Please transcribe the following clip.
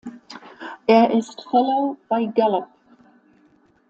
Er ist „Fellow“ bei Gallup.